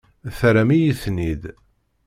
Terram-iyi-ten-id.